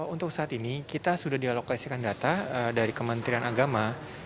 untuk saat ini kita sudah dialokasikan data dari kementerian agama